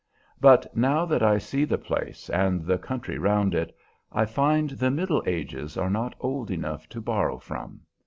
But now that I see the place and the country round it, I find the Middle Ages are not old enough to borrow from.